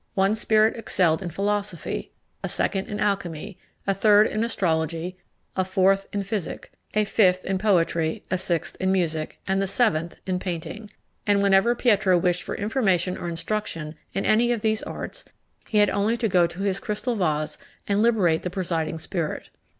One spirit excelled in philosophy; a second, in alchymy; a third, in astrology; a fourth, in physic; a fifth, in poetry; a sixth, in music; and the seventh, in painting: and whenever Pietro wished for information or instruction in any of these arts, he had only to go to his crystal vase and liberate the presiding spirit.